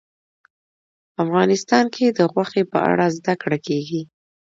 افغانستان کې د غوښې په اړه زده کړه کېږي.